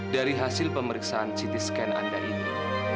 dari hasil pemeriksaan ct scan anda ini